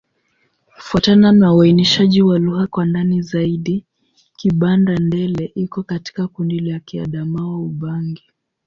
Kufuatana na uainishaji wa lugha kwa ndani zaidi, Kibanda-Ndele iko katika kundi la Kiadamawa-Ubangi.